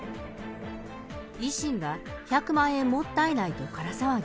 維新が１００万円もったいないとから騒ぎ。